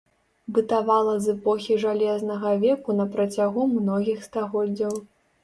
Бытавала з эпохі жалезнага веку на працягу многіх стагоддзяў.